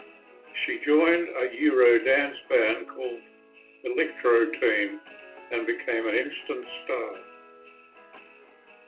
She joined a eurodance band called Electro Team and became an instant star.